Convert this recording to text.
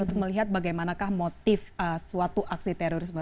untuk melihat bagaimanakah motif suatu aksi terorisme